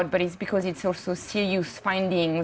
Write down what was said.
jadi ini adalah laporan yang panjang